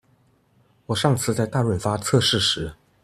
我上次在大潤發測試時